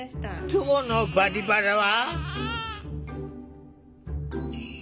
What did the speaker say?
今日の「バリバラ」は。